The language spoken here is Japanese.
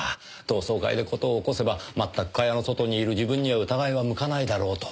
同窓会で事を起こせば全く蚊帳の外にいる自分には疑いは向かないだろうと。